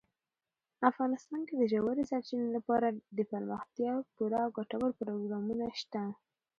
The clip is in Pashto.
افغانستان کې د ژورې سرچینې لپاره دپرمختیا پوره او ګټور پروګرامونه شته.